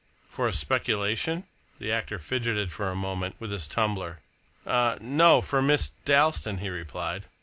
"For a speculation?" The actor fidgeted for a moment with his tumbler. "No, for Miss Dalstan," he replied.